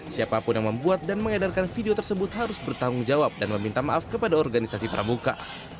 siapapun yang membuat dan mengedarkan video tersebut harus bertanggung jawab dan meminta maaf kepada organisasi pramuka